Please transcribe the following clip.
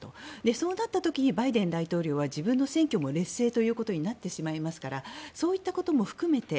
そうなった時にバイデン大統領は自分の選挙も劣勢ということになってしまいますからそういったことも含めて